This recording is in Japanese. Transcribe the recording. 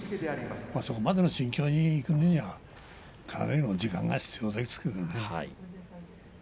そこまでの心境にいくにはかなりの時間が必要だけどね。